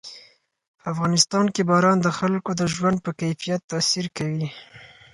په افغانستان کې باران د خلکو د ژوند په کیفیت تاثیر کوي.